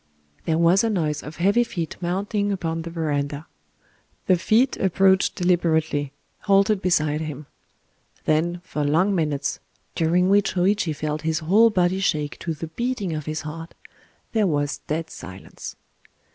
There was a noise of heavy feet mounting upon the verandah. The feet approached deliberately,—halted beside him. Then, for long minutes,—during which Hōïchi felt his whole body shake to the beating of his heart,—there was dead silence.